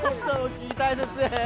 聞きたいですね。